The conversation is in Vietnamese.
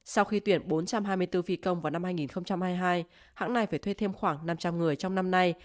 sau khi tuyển bốn trăm hai mươi bốn phi công vào năm hai nghìn hai mươi hai hãng này phải thuê thêm khoảng năm trăm linh người trong năm nay